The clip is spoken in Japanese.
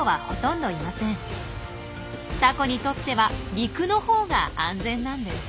タコにとっては陸の方が安全なんです。